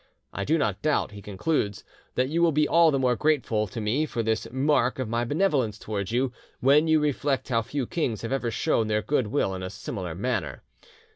'I do not doubt,' he concludes, 'that you will be all the more grateful to me for this mark of my benevolence towards you, when you reflect how few kings have ever shown their goodwill in a similar manner.